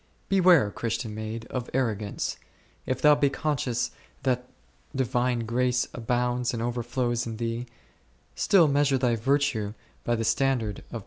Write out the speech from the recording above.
Beware, Christian maid, of arrogance ; if thou be conscious that Divine grace abounds and overflows in thee, still measure thy virtue by the standard of per » St. Luke v.